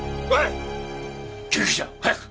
救急車早く！